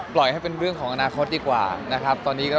ปล่อยให้เป็นเรื่องของอนาคตอีกกว่า